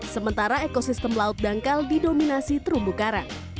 sementara ekosistem laut dangkal didominasi terumbu karang